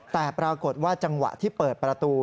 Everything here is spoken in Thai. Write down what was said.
แต่ปรากฏว่าจังหวะที่เปิดประตู